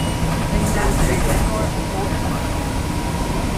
聽到這應該好高興才是